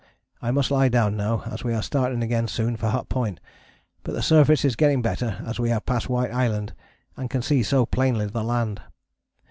I must lie down now, as we are starting again soon for Hut Point, but the surface is getting better as we have passed White Island and can see so plainly the land.